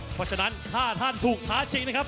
เพราะฉะนั้นถ้าท่านถูกท้าชิงนะครับ